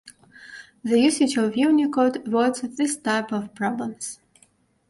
The usage of Unicode avoids this type of problems.